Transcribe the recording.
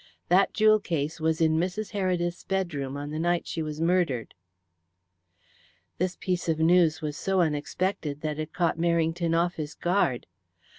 That jewel case was in Mrs. Heredith's bedroom on the night she was murdered." This piece of news was so unexpected that it caught Merrington off his guard.